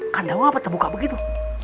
kandang apa tebuk tebuk gitu